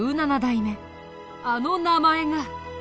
あの名前が。